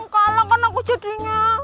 kalah kan aku jadinya